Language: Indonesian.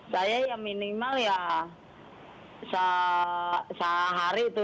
saya ya minimal ya sehari itu